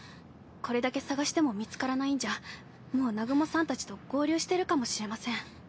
これだけ捜しても見つからないんじゃもう南雲さんたちと合流してるかもしれません。